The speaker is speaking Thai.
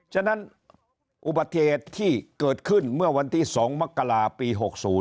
ฉะนั้นอุบัติเหตุที่เกิดขึ้นเมื่อวันที่๒มกราปี๖๐